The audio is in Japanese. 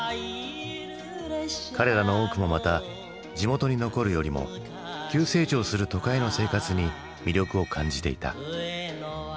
彼らの多くもまた地元に残るよりも急成長する都会の生活に魅力を感じていた。